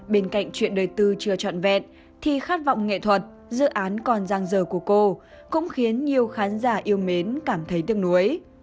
bên cạnh chuyện đời tư chưa trọn vẹn thì khát vọng nghệ thuật dự án còn giang dở của cô cũng khiến nhiều khán giả yêu mến cảm thấy tiếc nuối